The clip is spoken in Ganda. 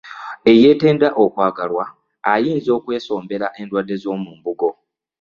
Eyetenda okwagalwa ayinza okwesombera endwadde ez'omu mbugo .